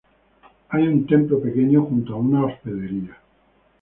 Hay un templo pequeño, junto a una hospedería.